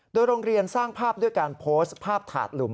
โดยโรงเรียนสร้างภาพด้วยการโพสต์ภาพถาดหลุม